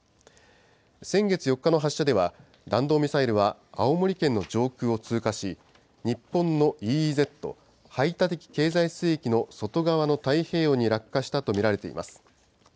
先月４日の発射では、弾道ミサイルは青森県の上空を通過し、日本のＥＥＺ・排他的経済水域の外側の太平洋に落下したと見られています。